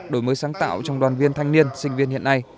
đổi mới sáng tạo trong đoàn viên thanh niên sinh viên hiện nay